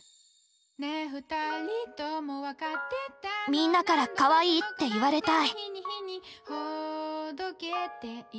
みんなからかわいいって言われたい。